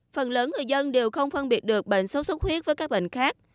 phần lớn người dân đều không phân biệt được bệnh sốt xuất huyết với các bệnh khác